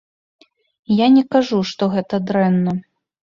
Я не кажу, што гэта дрэнна.